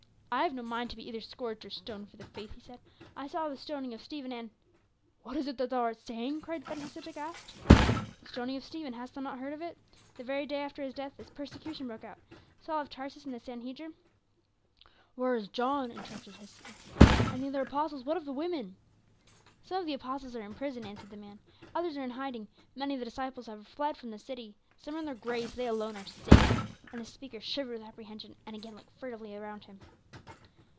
"I have no mind to be either scourged or stoned for the faith," he said; "I saw the stoning of Stephen and " "What is it that thou art saying?" cried Ben Hesed aghast. "The stoning of Stephen hast thou not heard of it? The very day after his death this persecution broke out. Saul of Tarsus and the Sanhedrim " "Where is John?" interrupted Ben Hesed. "And the other apostles what of the women?" "Some of the apostles are in prison," answered the man; "others are in hiding. Many of the disciples are fled from the city. Some are in their graves; they alone are safe," and the speaker shivered with apprehension, and again looked furtively about him.